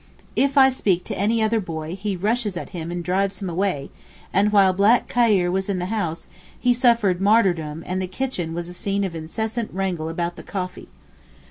If I speak to any other boy he rushes at him and drives him away, and while black Khayr was in the house, he suffered martyrdom and the kitchen was a scene of incessant wrangle about the coffee.